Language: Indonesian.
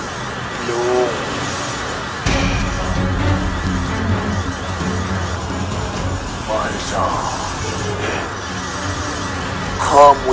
tidak ada apa apa